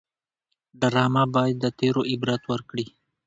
ډرامه باید د تېرو عبرت ورکړي